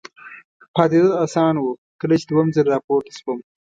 پاتېدل اسانه و، کله چې دوهم ځل را پورته شوم.